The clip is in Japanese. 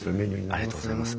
ありがとうございます。